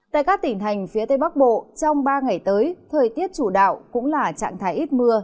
tại các tỉnh thành phía tây bắc bộ trong ba ngày tới thời tiết chủ đạo cũng là trạng thái ít mưa